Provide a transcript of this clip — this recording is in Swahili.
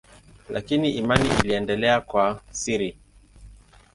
Lakini imani iliendelea kwa siri.